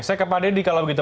saya ke pak deddy kalau begitu